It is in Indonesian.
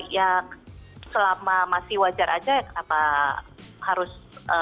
ya selama masih wajar aja kenapa harus